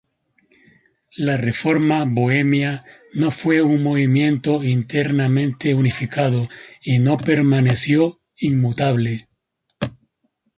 La Reforma bohemia no fue un movimiento internamente unificado y no permaneció inmutable.